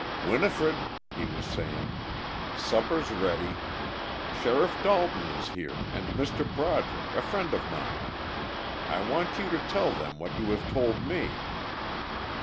"Winifred," he was saying, "supper's ready. Sheriff Dalton is here, and Mr. Broderick, a friend of mine. I want you to tell them what you have told me."